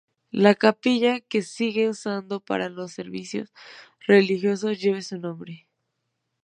La Capilla que se sigue usando para los servicios religiosos lleve su nombre.